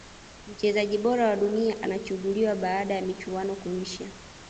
mchezaji bora wa dunia anachuguliwa baada ya michuano kuisha